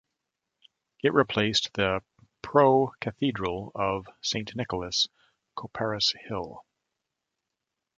It replaced the Pro-Cathedral of Saint Nicholas, Copperas Hill.